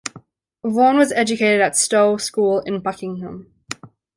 Vaughn was educated at Stowe School in Buckingham.